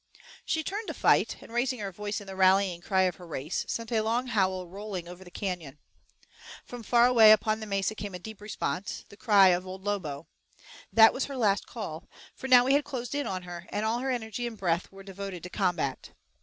She turned to fight, and, raising her voice in the rallying cry of her race, sent a long howl rolling over the canyon. From far away upon the mesa came a deep response, the cry of Old Lobo. That was her last call, for now we had closed in on her, and all her energy and breath were devoted to combat.